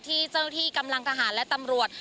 ที่เจ้าที่กำลังทหารและตำรวจ